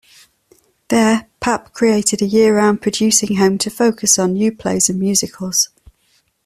There, Papp created a year-round producing home to focus on new plays and musicals.